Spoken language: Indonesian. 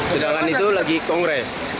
sedangkan itu lagi kongres